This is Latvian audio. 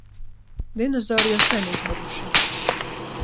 Dinozauri jau sen izmiruši